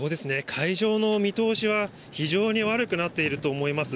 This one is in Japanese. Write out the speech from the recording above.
海上の見通しは非常に悪くなっていると思います。